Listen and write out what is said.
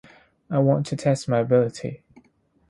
I want to test my ability.